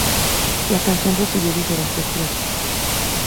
La canción recibió diferentes críticas.